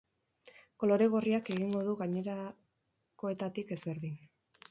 Kolore gorriak egingo du gainerakoetatik ezberdin.